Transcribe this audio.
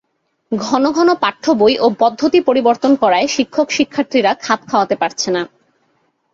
ঘন ঘন পাঠ্যবই ও পদ্ধতি পরিবর্তন করায় শিক্ষকশিক্ষার্থীরা খাপ খাওয়াতে পারছে না।